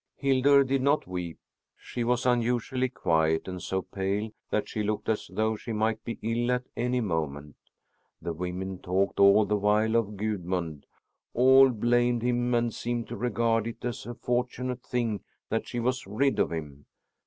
Hildur did not weep; she was unusually quiet, and so pale that she looked as though she might be ill at any moment. The women talked all the while of Gudmund. All blamed him and seemed to regard it as a fortunate thing that she was rid of him.